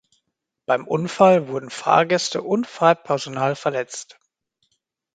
Beim Unfall wurden Fahrgäste und Fahrpersonal verletzt.